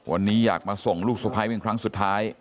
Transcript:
วันนี้อยากมาส่งลูกสะพ้ายเป็นครั้งสุดท้าย